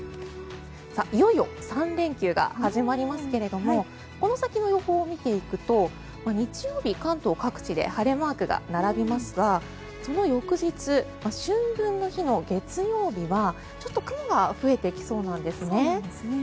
いよいよ３連休が始まりますけどこの先の予報を見ていくと日曜日、関東各地で晴れマークが並びますがその翌日春分の日の月曜日はちょっと雲が増えてきそうなんですね。